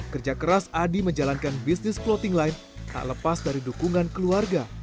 kerja keras adi menjalankan bisnis clothing line tak lepas dari dukungan keluarga